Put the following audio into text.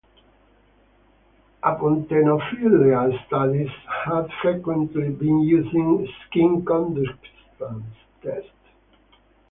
Apotemnophilia studies have frequently been using skin conductance tests.